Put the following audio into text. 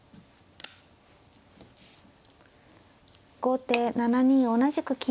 後手７二同じく金。